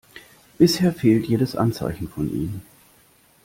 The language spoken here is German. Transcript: Bisher fehlt jedes Anzeichen von ihm.